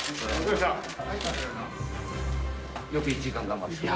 よく１時間頑張ったね。